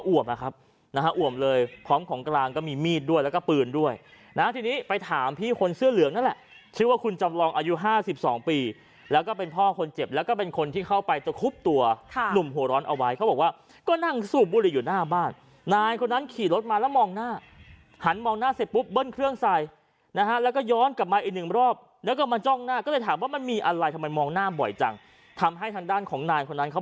โอ้โหโอ้โหโอ้โหโอ้โหโอ้โหโอ้โหโอ้โหโอ้โหโอ้โหโอ้โหโอ้โหโอ้โหโอ้โหโอ้โหโอ้โหโอ้โหโอ้โหโอ้โหโอ้โหโอ้โหโอ้โหโอ้โหโอ้โหโอ้โหโอ้โหโอ้โหโอ้โหโอ้โหโอ้โหโอ้โหโอ้โหโอ้โหโอ้โหโอ้โหโอ้โหโอ้โหโอ้โห